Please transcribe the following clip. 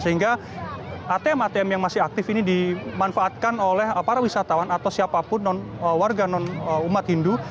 sehingga atm atm yang masih aktif ini dimanfaatkan oleh para wisatawan atau siapapun warga non umat hindu